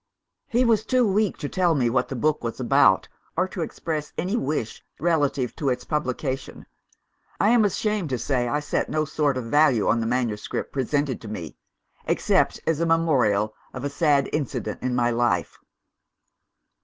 "He was too weak to tell me what the book was about, or to express any wish relative to its publication. I am ashamed to say I set no sort of value on the manuscript presented to me except as a memorial of a sad incident in my life.